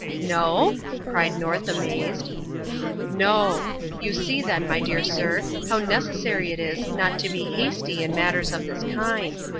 "No?" cried North, amazed. "No. You see, then, my dear sir, how necessary it is not to be hasty in matters of this kind.